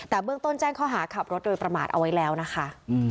แต่เบื้องต้นแจ้งข้อหาขับรถโดยประมาทเอาไว้แล้วนะคะ